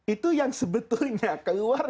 itu yang sebetulnya keluar